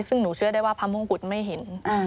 ซึ่งหนูเชื่อได้ว่าพระมงกุฎไม่เห็น